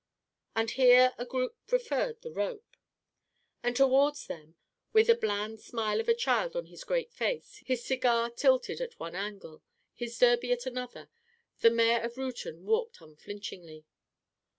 And here a group preferred the rope. And toward them, with the bland smile of a child on his great face, his cigar tilted at one angle, his derby at another, the mayor of Reuton walked unflinchingly.